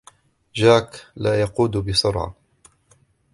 جاك لا يقود بسرعة.